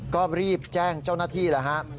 ก็รีบแจ้งเจ้านาธิล่ะฮะ